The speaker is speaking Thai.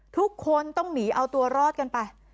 ทุกคนต้องหนีเอาตัวรอดกันไป